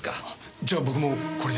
じゃあ僕もこれで？